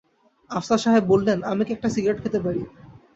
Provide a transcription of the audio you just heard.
আফসার সাহেব বললেন, আমি কি একটা সিগারেট খেতে পারি?